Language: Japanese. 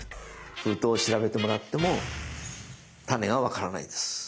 封筒を調べてもらってもタネが分からないです。